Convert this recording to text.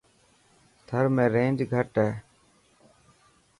ٿر ۾ رينج گھٽ هي.